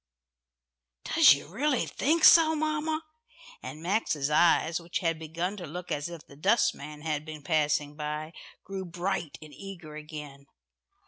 "Does you really think so, mamma?" and Max's eyes, which had begun to look as if the dustman had been passing by, grew bright and eager again.